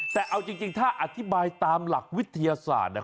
แต่เอาจริงถ้าอธิบายตามหลักวิทยาศาสตร์เนี่ย